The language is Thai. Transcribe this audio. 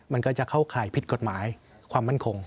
มันก็จะเข้าข่ายผิดกฎหมายความมั่นคง